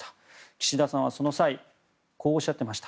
岸田さんはその際こうおっしゃっていました。